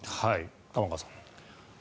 玉川さん。